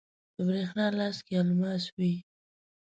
د بریښنا لاس کې الماس وی